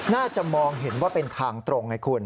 น่าจะมองเห็นว่าเป็นทางตรงไงคุณ